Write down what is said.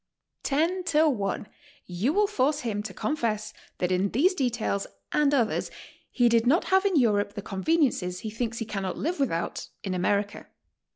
Ten to one you will force him to confess that in these details and others he dfid not have in Europe the conveniences he thinks li^e cannot live without in America.